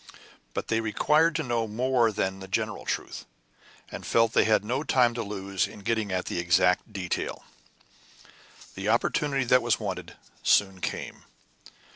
But they required to know more than the general truth, and felt that they had no time to lose in getting at the exact details. The opportunity that was wanted soon came.